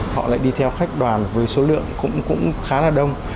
họ lại đi theo khách đoàn với số lượng cũng khá là đông